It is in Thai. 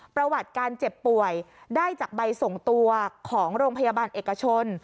ประวัติการเจ็บป่วยได้จากใบส่งตัวของโรงพยาบาลเอกชน